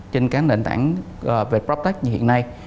trên các nền tảng về blockchain như hiện nay